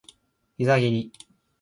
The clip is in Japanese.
膝蹴り